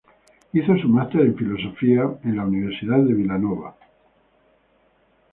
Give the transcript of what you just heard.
Hizo su master en filosofía en la Universidad de Villanova.